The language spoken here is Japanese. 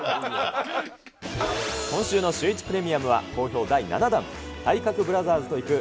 今週のシューイチプレミアムは、好評第７弾、体格ブラザーズと行く！